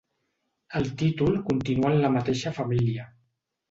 El títol continua en la mateixa família.